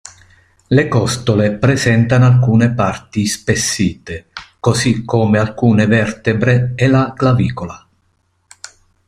Le costole presentano alcune parti ispessite, così come alcune vertebre e la clavicola.